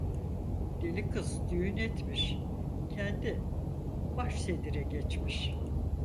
Deli kız düğün etmiş, kendi baş sedire geçmiş.